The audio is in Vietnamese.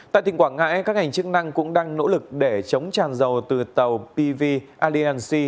tại tỉnh quảng ngãi các ngành chức năng cũng đang nỗ lực để chống tràn dầu từ tàu pv allianc